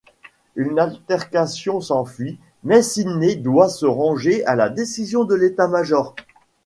Une altercation s'ensuit mais Sidney doit se ranger à la décision de l'état-major.